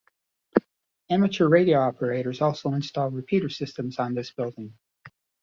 Amateur radio operators also install repeater systems on this building.